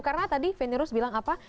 karena tadi feni rose bilang apa